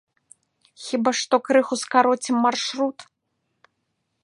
Хіба што крыху скароцім маршрут.